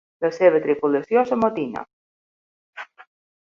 La seva tripulació s'amotina.